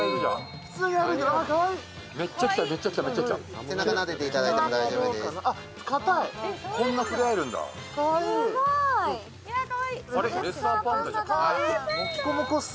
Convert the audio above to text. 背中なでていただいても大丈夫です。